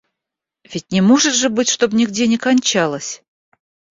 Ведь не может же быть, чтоб нигде не кончалась!